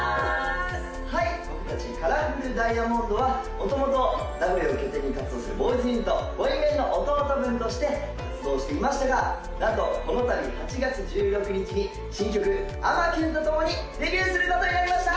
はい僕達カラフルダイヤモンドは元々名古屋を拠点に活動するボーイズユニットボイメンの弟分として活動していましたがなんとこの度８月１６日に新曲「あまキュン」と共にデビューすることになりました！